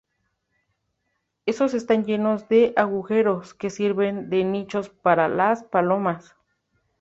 Estos están llenos de agujeros que sirven de nichos para las palomas.